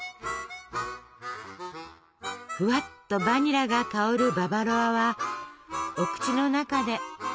ふわっとバニラが香るババロアはお口の中でとろっととろけます。